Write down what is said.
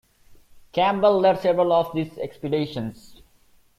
Campbell led several of these expeditions.